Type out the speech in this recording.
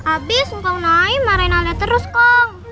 abis ngakau naik marahin aja terus kong